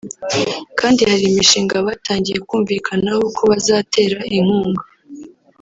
kandi hari imishinga batangiye kumvikanaho ko bazatera inkunga